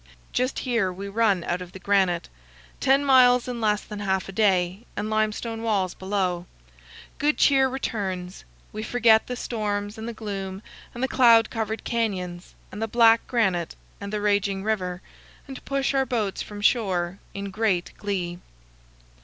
Just here we run out of the granite. Ten miles in less than half a day, and limestone walls below. Good cheer returns; we forget the storms and the gloom and the cloud covered canyons and the black granite and the raging river, and push our boats from shore in great glee.